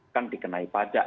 kan dikenai pajak